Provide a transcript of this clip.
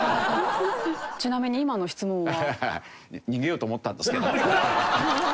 ちなみに今の質問は？